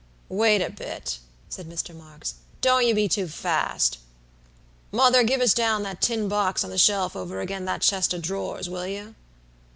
"Wait a bit," said Mr. Marks, "don't you be too fast. Mother, give us down that tin box on the shelf over against the chest of drawers, will you?"